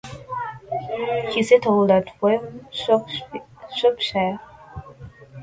He settled at Wem, Shropshire.